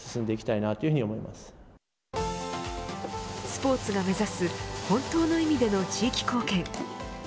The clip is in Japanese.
スポーツが目指す本当の意味での地域貢献。